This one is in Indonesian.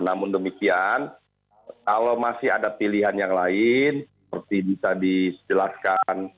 namun demikian kalau masih ada pilihan yang lain seperti bisa dijelaskan